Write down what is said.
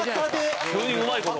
急にうまい事を。